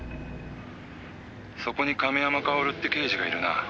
「そこに亀山薫って刑事がいるな？」